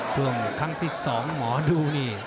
ช่วงครั้งที่๒หมอดูนี่